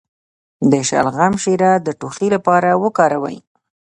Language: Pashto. د شلغم شیره د ټوخي لپاره وکاروئ